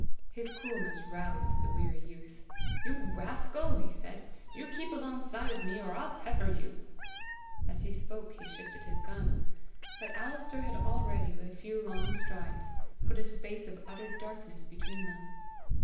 His coolness roused the weary youth. "You rascal!" he said; "you keep alongside of me, or I'll pepper you." As he spoke, he shifted his gun. But Alister had already, with a few long strides, put a space of utter darkness between them.